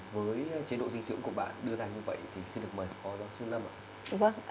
với chế độ dinh dưỡng của bạn đưa ra như vậy thì xin được mời phó giáo sư lâm ạ